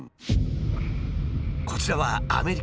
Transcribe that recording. こちらはアメリカの映像。